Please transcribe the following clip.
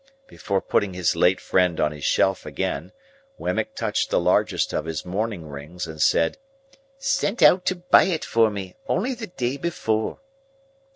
Before putting his late friend on his shelf again, Wemmick touched the largest of his mourning rings and said, "Sent out to buy it for me, only the day before."